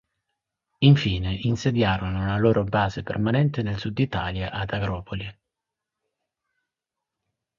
Infine insediarono una loro base permanente nel Sud Italia ad Agropoli.